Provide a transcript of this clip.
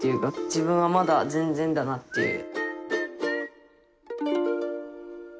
自分はまだ全然だなっていう。